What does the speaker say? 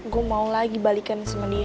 gue mau lagi balikin sama dia